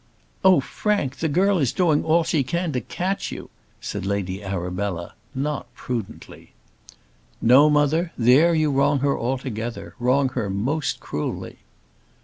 "Oh, Frank, the girl is doing all she can to catch you," said Lady Arabella, not prudently. "No, mother; there you wrong her altogether; wrong her most cruelly."